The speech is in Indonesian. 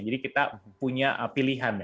jadi kita punya pilihan